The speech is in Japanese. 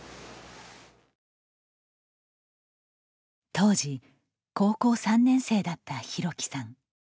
当時、高校３年生だった裕貴さん。